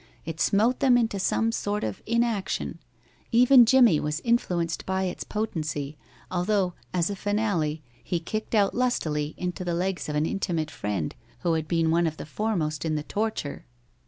It smote them into some sort of inaction; even Jimmie was influenced by its potency, although, as a finale, he kicked out lustily into the legs of an intimate friend who had been one of the foremost in the torture.